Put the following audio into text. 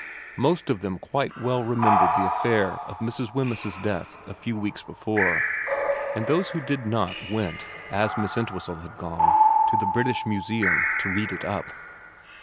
Most of them quite well remembered the affair of Mrs. Wemyss's death a few weeks before, and those who xi VERA 117 did not went, as Miss Entwhistle had gone, to the British Museum and read it up.